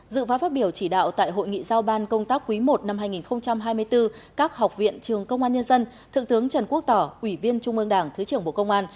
dự phá phát biểu chỉ đạo tại hội nghị giao ban công tác quý i năm hai nghìn hai mươi bốn các học viện trường công an nhân dân thượng tướng trần quốc tỏ ủy viên trung ương đảng thứ trưởng bộ công an